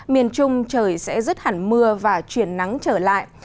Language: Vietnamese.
miền trung trời sẽ rứt hẳn mưa và chuyển nắng trở lại